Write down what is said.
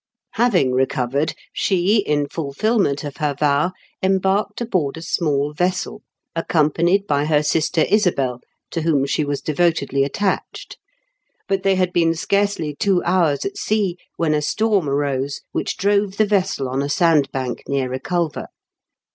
Having recovered, she, in fulfilment of her vow, embarked aboard a small vessel, accom panied by her sister Isabel, to whom she was devotedly attached; but they had been scarcely two hours at sea when a storm arose, which drove the vessel on a sand bank near Eeculver.